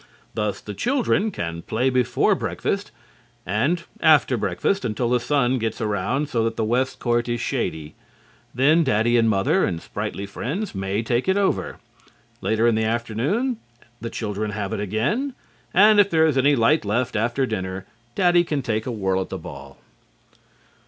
Thus the children can play before breakfast and after breakfast until the sun gets around so that the west court is shady. Then Daddy and Mother and sprightly friends may take it over. Later in the afternoon the children have it again, and if there is any light left after dinner Daddy can take a whirl at the ball.